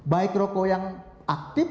baik rokok yang aktif